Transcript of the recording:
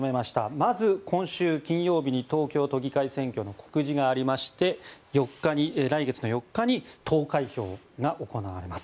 まず今秋金曜日に東京都議会選挙の告示がありまして来月４日に投開票が行われます。